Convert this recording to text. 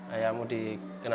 ayahmu dikena teruk